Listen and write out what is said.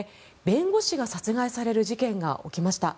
弁護士が殺害される事件が起きました。